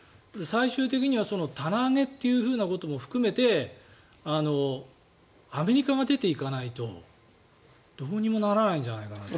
最終的には棚上げということも含めてアメリカが出ていかないとどうにもならないんじゃないか。